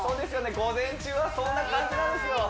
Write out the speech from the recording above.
午前中はそんな感じなんですよ